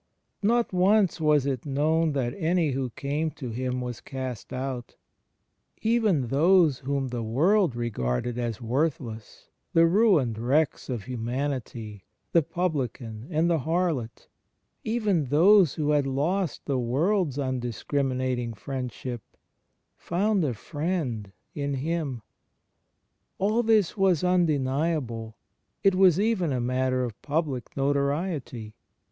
Not once was it known that any who came to Him was cast out. Even those whom the world regarded as worthless, the ruined wrecks of ^ Luke xziii : 34. CHRIST IN HIS HISTORICAL LIFE II 3 humanity, the publican and the harlot, — even those who had lost the world's undiscriminating friendship, found a friend in Him. All this was undeniable; it was even a matter of public notoriety.